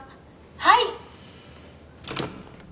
はい。